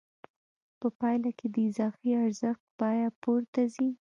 په پایله کې د اضافي ارزښت بیه پورته ځي